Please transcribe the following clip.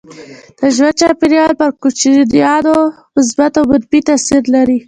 د ژوند چاپيریال پر کوچنیانو مثبت او منفي تاثير لري.